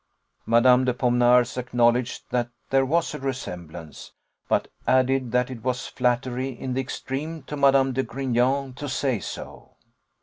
Mad. de Pomenars acknowledged that there was a resemblance, but added, that it was flattery in the extreme to Mad. de Grignan to say so.